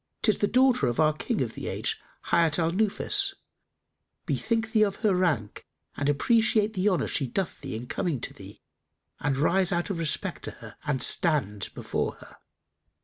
'Tis the daughter of our King of the age, Hayat al Nufus: bethink thee of her rank and appreciate the honour she doth thee in coming to thee and rise out of respect for her and stand before her."